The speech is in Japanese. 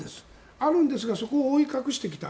あるんですがそこを覆い隠してきた。